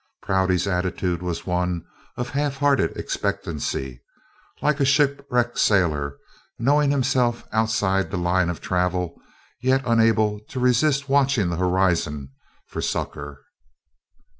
Prouty's attitude was one of halfhearted expectancy like a shipwrecked sailor knowing himself outside the line of travel, yet unable to resist watching the horizon for succor.